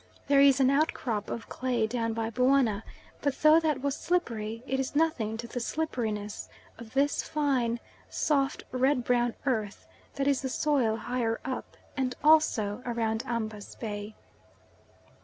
There is an outcrop of clay down by Buana, but though that was slippery, it is nothing to the slipperiness of this fine, soft, red brown earth that is the soil higher up, and also round Ambas Bay.